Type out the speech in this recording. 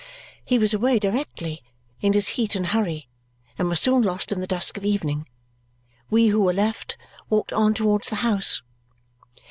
He was away directly, in his heat and hurry, and was soon lost in the dusk of evening. We who were left walked on towards the house.